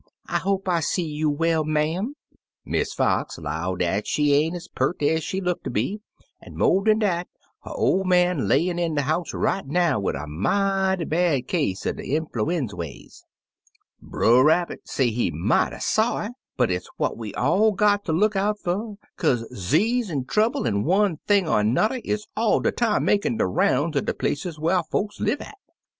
I hope I see you well, ma'am.' Miss Fox 'low^\ dat she ain't ez peart ez she look ter be, an' mo' dan dat, her ol' man layin' in de house right now wid a mighty bad case er de in fluendways. Brer Rabbit say he mighty sorry, but it's what we all got ter look out fer, kaze 'zease an' trouble, an' one thing an' an'er, is all de time makin' de roun's er de places whar folks live at.